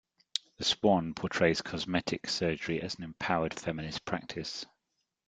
"The Swan" portrays cosmetic surgery as an empowered, feminist practice.